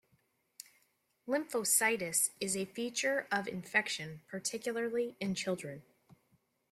Lymphocytosis is a feature of infection, particularly in children.